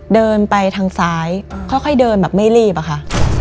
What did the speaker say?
เดินไปทางซ้ายค่อยเดินแบบไม่รีบอะค่ะ